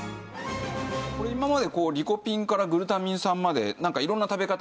今までリコピンからグルタミン酸まで色んな食べ方